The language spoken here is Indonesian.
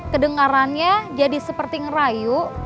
kedengarannya jadi seperti ngerayu